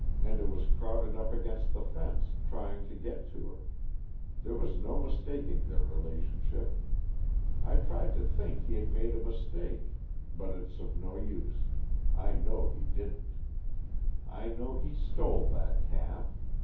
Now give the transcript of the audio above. And it was crowded up against the fence, trying to get to her. There was no mistaking their relationship. I tried to think he had made a mistake; but it's of no use I know he didn't. I know he stole that calf.